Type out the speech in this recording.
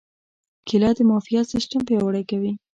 کېله د معافیت سیستم پیاوړی کوي.